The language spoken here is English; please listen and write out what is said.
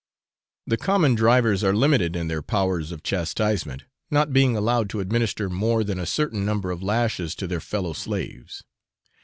The common drivers are limited in their powers of chastisement, not being allowed to administer more than a certain number of lashes to their fellow slaves.